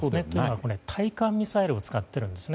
これは対艦ミサイルを使っているんですね。